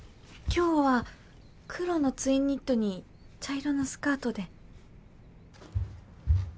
今日は黒のツインニットに茶色のスカートで。